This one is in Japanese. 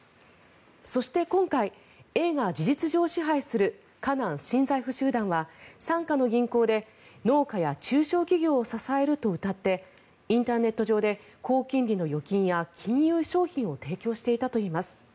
そして、今回Ａが事実上支配する河南新財富集団は傘下の銀行で農家や中小企業を支えるとうたってインターネット上で高金利の預金や金融商品を提供していたといいます。